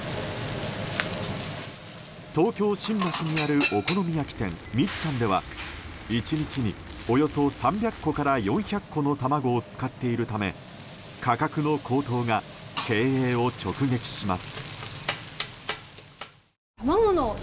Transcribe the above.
東京・新橋にあるお好み焼き店、みっちゃんでは１日に、およそ３００個から４００個の卵を使っているため価格の高騰が経営を直撃します。